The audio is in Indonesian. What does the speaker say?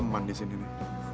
kenapa di playing bar